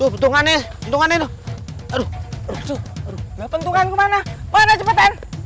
bentukannya mana mana cepetan